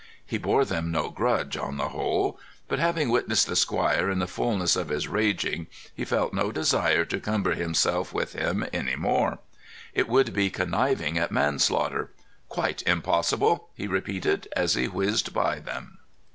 He bore them no grudge, on the whole; but, having witnessed the squire in the fulness of his raging, he felt no desire to cumber himself with him any more. It would be conniving at manslaughter. "Quite impossible," he repeated, as he whizzed by them.